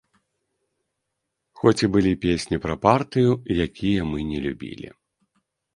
Хоць былі і песні пра партыю, якія мы не любілі.